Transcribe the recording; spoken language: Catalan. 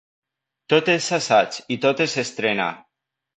Tot és assaig i tot és estrena.